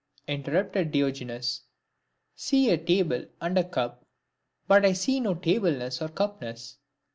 inter rupted Diogenes, " see a table and a cup, but I see no table iiess or cupness."